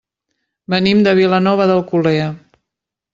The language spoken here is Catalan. Venim de Vilanova d'Alcolea.